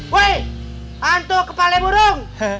woi hantu kepala burung